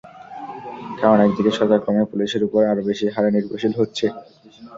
কারণ, একদিকে সরকার ক্রমেই পুলিশের ওপর আরও বেশি হারে নির্ভরশীল হচ্ছে।